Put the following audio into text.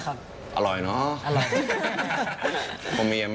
ขอบคุณครับ